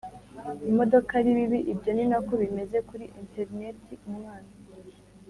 Imodoka ari bibi ibyo ni na ko bimeze kuri interineti umwana